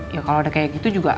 ya kalau udah kayak gitu juga